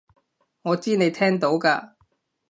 我知你聽到㗎